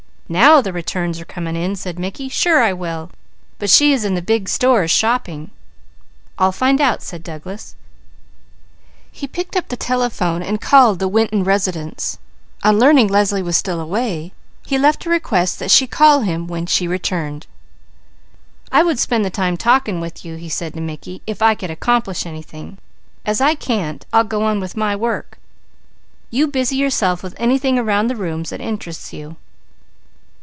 "Now the returns are coming in," said Mickey. "Sure I will; but she is in the big stores shopping." "I'll find out," said Douglas. He picked up the telephone and called the Winton residence; on learning Leslie was still away, he left a request that she call him when she returned. "I would spend the time talking with you," he said to Mickey, "if I could accomplish anything; as I can't, I'll go on with my work. You busy yourself with anything around the rooms that interests you."